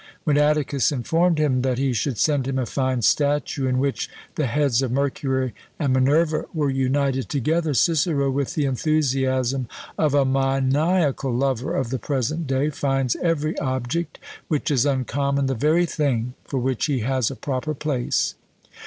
When Atticus informed him that he should send him a fine statue, in which the heads of Mercury and Minerva were united together, Cicero, with the enthusiasm of a maniacal lover of the present day, finds every object which is uncommon the very thing for which he has a proper place.